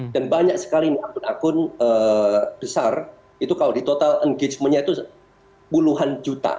dan banyak sekali akun akun besar itu kalau di total engagement nya itu puluhan juta